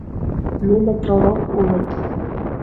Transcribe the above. Нуно пророк улыт.